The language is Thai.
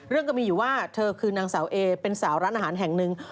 ก็มีอยู่ว่าเธอคือนางสาวเอเป็นสาวร้านอาหารแห่งหนึ่ง